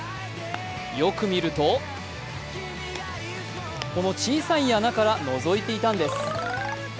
よく見るとこの小さい穴からのぞいていたんです。